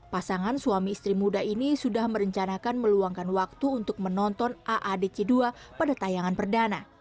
pasangan suami istri muda ini sudah merencanakan meluangkan waktu untuk menonton aadc dua pada tayangan perdana